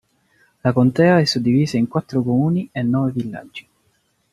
La contea è suddivisa in quattro comuni e nove villaggi.